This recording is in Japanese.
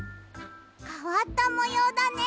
かわったもようだね。